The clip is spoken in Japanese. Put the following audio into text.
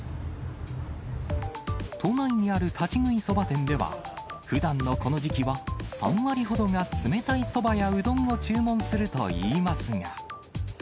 都内にある立ち食いそば店では、ふだんのこの時期は３割ほどが冷たいそばやうどんを注文するといいますが。